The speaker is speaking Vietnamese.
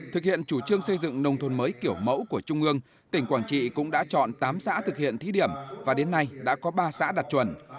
thực hiện chủ trương xây dựng nông thôn mới kiểu mẫu của trung ương tỉnh quảng trị cũng đã chọn tám xã thực hiện thí điểm và đến nay đã có ba xã đạt chuẩn